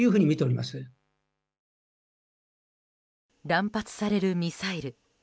乱発されるミサイル。